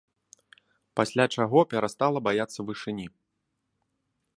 Пасля чаго перастала баяцца вышыні.